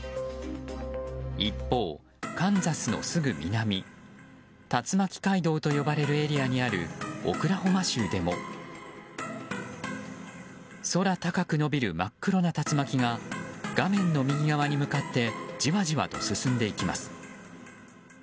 一方、カンザスのすぐ南竜巻街道と呼ばれるエリアにあるオクラホマ州でも空高く伸びる真っ黒な竜巻が画面の右側に向かってじわじわと進んでいきます。